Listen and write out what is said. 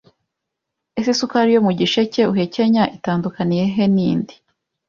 Ese isukari yo mu gisheke uhekenya itandukaniye he nindi